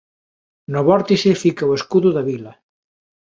No vórtice fica o escudo da vila.